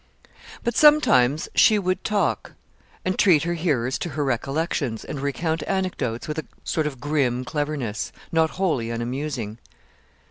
But sometimes she would talk, and treat her hearers to her recollections, and recount anecdotes with a sort of grim cleverness, not wholly unamusing.